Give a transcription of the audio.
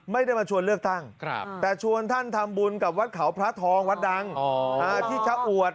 ไม่ได้มาชวนเลือกตั้งแต่ชวนท่านทำบุญกับวัดเขาพระทองวัดดังที่ชะอวด